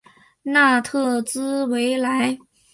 纳特兹维莱。